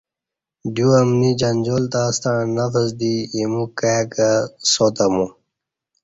دیوامنی جنجال تاستݩع نفس دی ایمو کائی کہ ساتہ مو